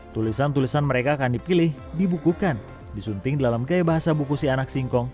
tulisan tulisan mereka akan dipilih dibukukan disunting dalam gaya bahasa buku si anak singkong